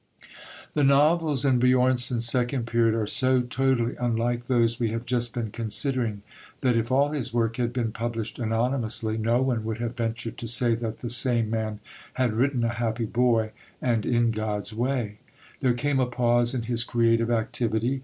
The novels in Björnson's second period are so totally unlike those we have just been considering that if all his work had been published anonymously, no one would have ventured to say that the same man had written A Happy Boy and In God's Way. There came a pause in his creative activity.